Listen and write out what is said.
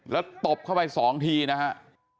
แล้วตบเข้าไปสองทีนะครับ